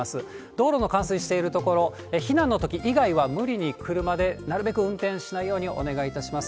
道路の冠水している所、避難のとき以外は、無理に車でなるべく運転しないようにお願いいたします。